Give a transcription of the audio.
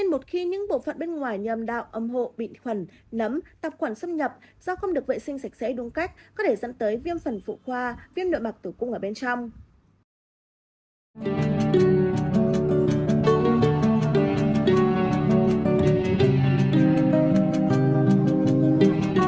một khi những bộ phận bên ngoài nhầm đạo ấm hộ bị khuẩn nấm tạp quản xâm nhập do không được vệ sinh sạch sẽ đúng cách có thể dẫn tới viêm phần phụ khoa viêm nội mặt tử cung ở bên trong